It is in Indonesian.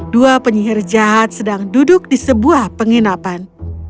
dua penyihir jahat sedang duduk di sebuah penginapan